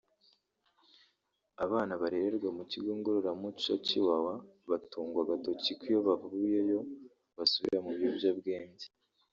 Abana barererwa mu kigo ngorora muco cy’i Wawa batungwa agatoki ko iyo bavuyeyo basubira mu biyobyabwenge